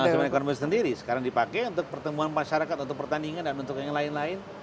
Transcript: konsumen ekonomi sendiri sekarang dipakai untuk pertemuan masyarakat untuk pertandingan dan untuk yang lain lain